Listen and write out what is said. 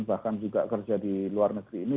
bahkan juga kerja di luar negeri ini